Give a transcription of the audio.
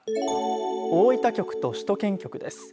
大分局と首都圏局です。